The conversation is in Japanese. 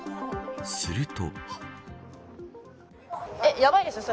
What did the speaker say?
すると。